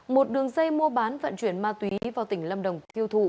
một đường dây mua bán vận chuyển ma túy vào tỉnh lâm đồng thiêu thụ